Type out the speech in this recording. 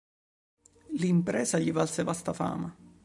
L'impresa gli valse vasta fama.